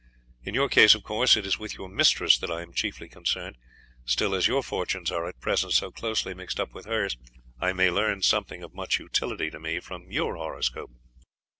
In your case, of course, it is with your mistress that I am chiefly concerned; still as your fortunes are at present so closely mixed up with hers, I may learn something of much utility to me from your horoscope."